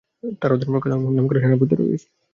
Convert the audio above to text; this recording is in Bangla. তার অধীনে প্রখ্যাত এবং নামকরা সেনাপতিরা রয়েছে।